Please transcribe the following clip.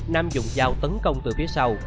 nam dùng dao tấn công từ phía sau